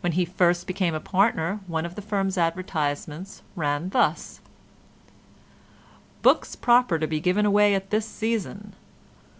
When he first became a partner one of the firm's advertisements ran thus:— "Books proper to be given away at this Season.